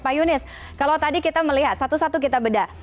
pak yunis kalau tadi kita melihat satu satu kita beda